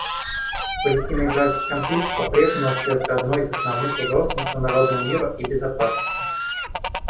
Палестино-израильский конфликт попрежнему остается одной из основных угроз международному миру и безопасности.